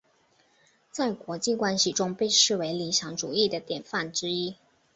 在国际关系中被视为理想主义的典范之一。